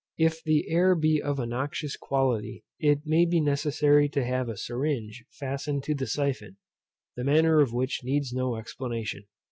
If the air be of a noxious quality, it may be necessary to have a syringe fastened to the syphon, the manner of which needs no explanation.